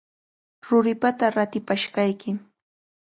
Ruripata ratipashqayki.